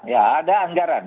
ya ada anggaran